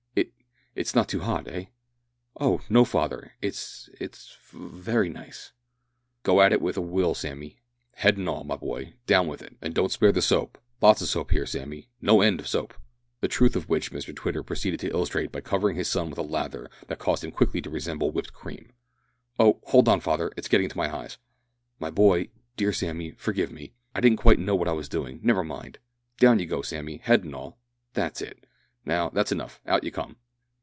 "It it's not too hot eh?" "Oh! no, father. It's it's v very nice." "Go at it with a will, Sammy. Head and all, my boy down with it. And don't spare the soap. Lots of soap here, Sammy no end of soap!" The truth of which Mr Twitter proceeded to illustrate by covering his son with a lather that caused him quickly to resemble whipped cream. "Oh! hold on, father, it's getting into my eyes." "My boy dear Sammy forgive me. I didn't quite know what I was doing. Never mind. Down you go again, Sammy head and all. That's it. Now, that's enough; out you come."